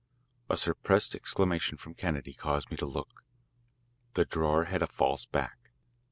A suppressed exclamation from Kennedy caused me to look. The drawer had a false back.